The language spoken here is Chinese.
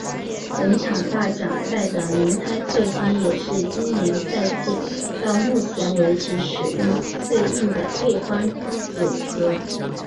本场大奖赛的轮胎配方也是今年赛季到目前为止使用最硬的配方组合。